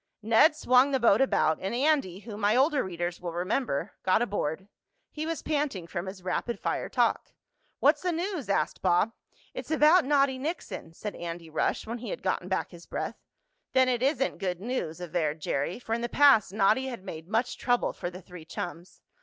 Ned swung the boat about, and Andy, whom my older readers will remember, got aboard. He was panting from his rapid fire talk. "What's the news?" asked Bob. "It's about Noddy Nixon," said Andy Rush, when he had gotten back his breath. "Then it isn't good news," averred Jerry, for in the past Noddy had made much trouble for the three chums.